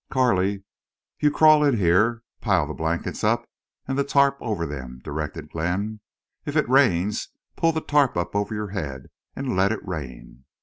"Carley, you crawl in here, pile the blankets up, and the tarp over them," directed Glenn. "If it rains pull the tarp up over your head—and let it rain."